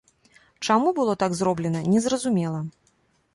Чаму было так зроблена, незразумела.